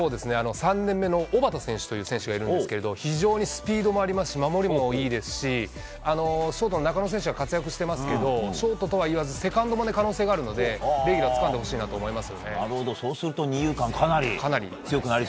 ３年目の小幡選手という選手がいるんですけど非常にスピードもありますし守りもいいですしショートの中野選手も活躍してますがショートとは言わずセカンドまで可能性があるのでレギュラーつかんでほしいなと思います。